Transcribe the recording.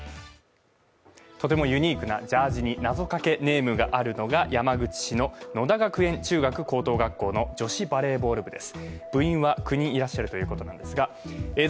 とてもユニークなジャージーになぞかけネームがあるのが山口市の野田学園中学・高等学校の女子バレーボール部です。